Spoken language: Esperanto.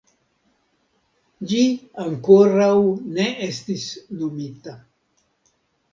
Ĝi ankoraŭ ne estis nomita.